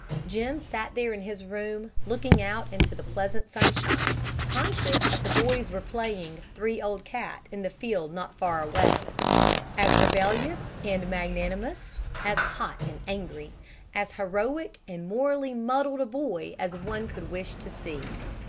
Jim sat there in his room, looking out into the pleasant sunshine, conscious that the boys were playing "three old cat" in the field not faraway as rebellious and magnanimous, as hot and angry, as heroic and morally muddled a boy as one could wish to see.